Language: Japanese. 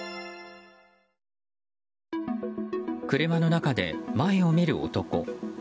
車の中で前を見る男。